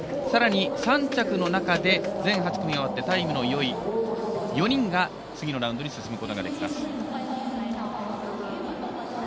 さらに３着の中で全８組が終わってタイムの良い４人が次のラウンドに進むことができます。